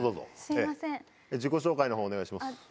自己紹介のほうお願いします。